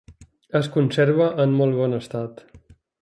Es conserva en molt bon estat.